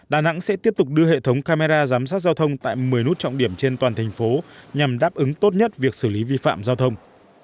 đà nẵng sẽ tiếp tục đưa hệ thống camera giám sát giao thông tại một mươi nút trọng điểm trên toàn thành phố nhằm đáp ứng tốt nhất việc xử lý vi phạm giao thông